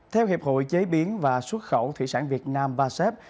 theo hiệp hội chế biến và xuất khẩu thủy sản việt nam vasep